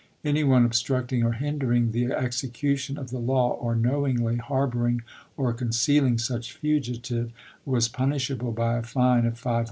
Any one ob structing or hindering the execution of the law or knowingly harboring or concealing such fugitive was punishable by a fine of $500.